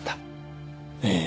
ええ。